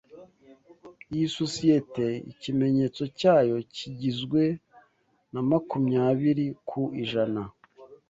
Iyi sosiyete, ikimenyetso cyayo kigizwe na makumyabiri ku ijana